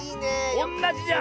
おんなじじゃん。